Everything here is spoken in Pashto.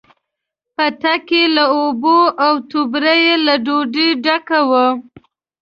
پتک یې له اوبو، او توبره یې له ډوډۍ ډکه وه.